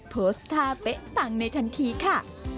โพสท่าเก๋ฟังในทันทีค่ะ